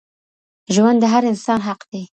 ژوند د هر انسان حق دی.